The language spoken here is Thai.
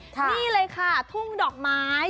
นี่เลยค่ะทุ่งดอกไม้